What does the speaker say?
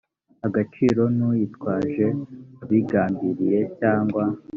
agaciro n uyitwaje abigambiriye cyangwa